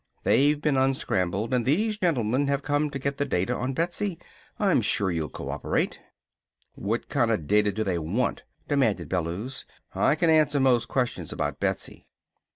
They've been unscrambled and these gentlemen have come to get the data on Betsy. I'm sure you'll cooperate." "What kinda data do they want?" demanded Bellews. "I can answer most questions about Betsy!"